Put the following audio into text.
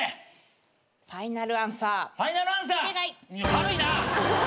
軽いな！